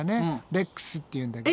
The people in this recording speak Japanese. レックスっていうんだけど。